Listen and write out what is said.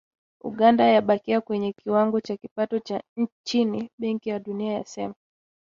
Uganda yabakia kwenye kiwango cha kipato cha chini, Benki ya Dunia yasema